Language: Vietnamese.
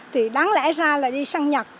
thì đáng lẽ ra là đi sang nhật